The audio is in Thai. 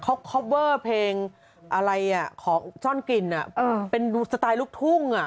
เขาเพลงอะไรอ่ะของซ่อนกลิ่นอ่ะเออเป็นสไตล์ลูกทุ่งอ่ะ